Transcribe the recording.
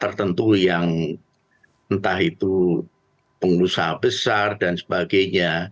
tertentu yang entah itu pengusaha besar dan sebagainya